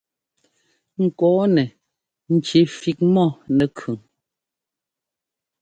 Kɔɔnɛ ŋci fik mɔ nɛkʉn.